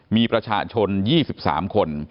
มีประชาชน๒๓คน